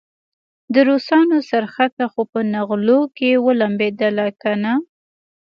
د روسانو څرخکه خو په نغلو کې ولمبېدله کنه.